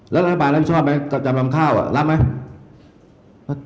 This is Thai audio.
แล้วท่านคุณบาร์รับผิดชอบมั้ยกับจามลำข้าวอะรับมั้ย